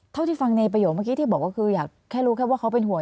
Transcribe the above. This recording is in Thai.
เท่าที่ฟังในประโยคเมื่อกี้ที่บอกว่าคืออยากแค่รู้แค่ว่าเขาเป็นห่วง